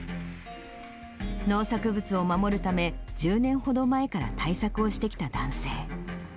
農作物を守るため、１０年ほど前から対策をしてきた男性。